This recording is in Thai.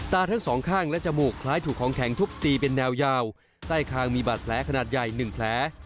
ตาทั้งสองข้างและจมูกคล้ายถูกของแข็งทุบตีเป็นแนวยาวใต้คางมีบาดแผลขนาดใหญ่๑แผล